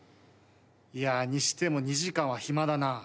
いやにしても２時間は暇だな。